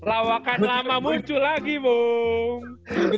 lawakan lama muncul lagi bu